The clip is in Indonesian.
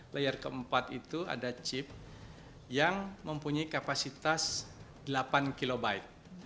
layer keempat itu ada chip yang mempunyai kapasitas delapan kilobyte